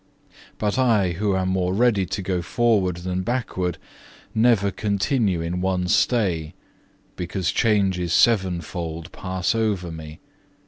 But I who am more ready to go forward than backward, never continue in one stay, because changes sevenfold pass over me.